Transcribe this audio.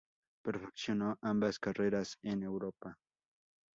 Perfeccionó ambas carreras en Europa.